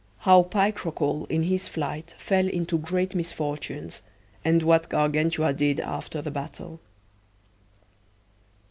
How Picrochole in his flight fell into great misfortunes, and what Gargantua did after the battle.